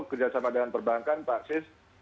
kerjasama dengan perbankan pak sis